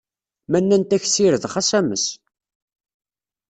Ma nnant-ak ssired, xas ames.